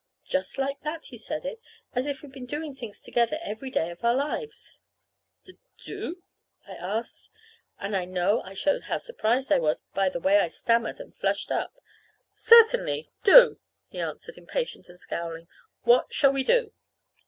Just like that he said it, as if we'd been doing things together every day of our lives. "D do?" I asked; and I know I showed how surprised I was by the way I stammered and flushed up. "Certainly, do," he answered, impatient and scowling. "What shall we do?"